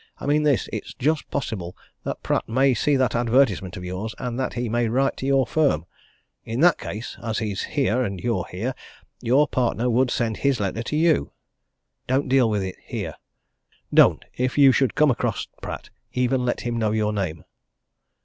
"I mean this it's just possible that Pratt may see that advertisement of yours, and that he may write to your firm. In that case, as he's here, and you're here, your partner would send his letter to you. Don't deal with it here. Don't if you should come across Pratt, even let him know your name!"